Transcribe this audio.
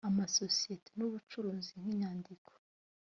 amasosiyete n ubucuruzi nk inyandiko